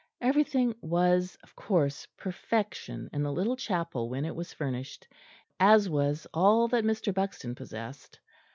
Everything was, of course, perfection in the little chapel when it was furnished; as was all that Mr. Buxton possessed.